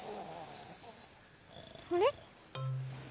あれ？